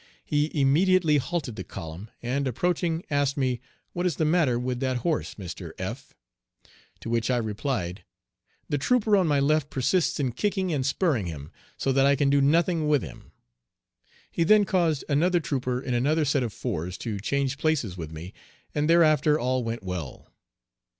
He immediately halted the column, and, approaching, asked me, "What is the matter with that horse, Mr. F.?" To which I replied, "The trooper on my left persists in kicking and spurring him, so that I can do nothing with him." He then caused another trooper in another set of fours to change places with me, and thereafter all went well.